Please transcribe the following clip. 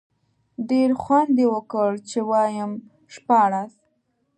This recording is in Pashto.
ډېر خوند یې وکړ، چې وایم شپاړس.